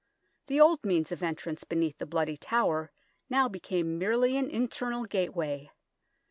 The old means of entrance beneath the Bloody Tower now became merely an internal gateway.